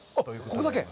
ここだけ。